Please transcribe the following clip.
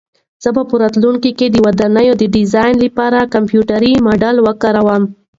زه به په راتلونکي کې د ودانۍ د ډیزاین لپاره کمپیوټري ماډل وکاروم.